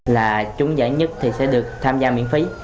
là trúng giải nhất thì sẽ được tham gia miễn phí